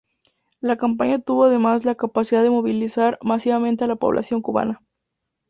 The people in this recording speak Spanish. La campaña tuvo además la capacidad de movilizar masivamente a la población cubana.